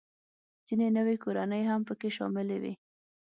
ځینې نوې کورنۍ هم پکې شاملې وې